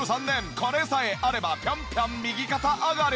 これさえあればピョンピョン右肩上がり！？